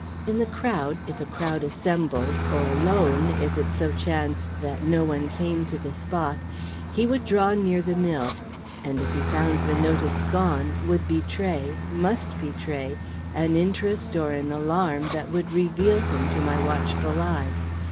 In the crowd, if a crowd assembled, or alone, if it so chanced that no one came to the spot, he would draw near the mill, and, if he found the notice gone, would betray, must betray, an interest or an alarm that would reveal him to my watchful eye.